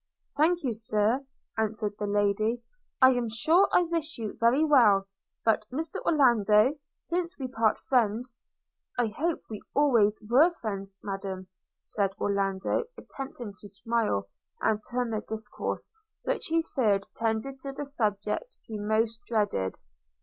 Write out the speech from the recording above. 'Thank you, Sir,' answered the lady, 'I am sure I wish you very well: but Mr Orlando, since we part friends' – 'I hope we always were friends, Madam,' said Orlando, attempting to smile, and turn the discourse, which he feared tended to the subject he most dreaded.